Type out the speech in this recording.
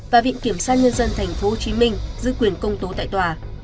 và viện kiểm sát nhân dân tp hcm giữ quyền công tố tại tòa